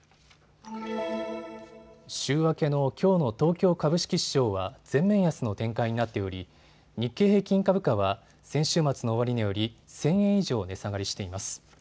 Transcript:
週明けのきょうの東京株式市場は全面安の展開になっており日経平均株価は先週末の終値より１０００円以上値下がりしています。